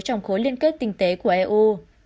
trong khối liên kết tinh tế của eu